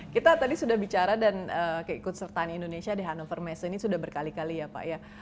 kita tadi sudah bicara dan keikutsertaan indonesia di hannover messe ini sudah berkali kali ya pak ya